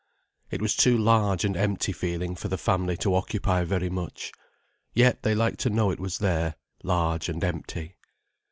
It was too large and empty feeling for the family to occupy very much. Yet they liked to know it was there, large and empty.